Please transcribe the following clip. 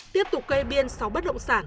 tiếp tục cây biên sáu bất động sản